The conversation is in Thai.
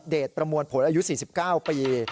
ประมวลผลอายุ๔๙ปี